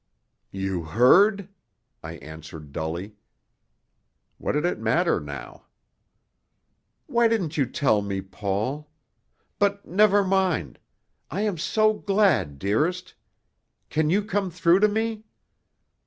"You heard?" I answered dully. What did it matter now? "Why didn't you tell me, Paul? But never mind. I am so glad, dearest! Can you come through to me?"